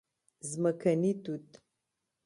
🍓ځمکني توت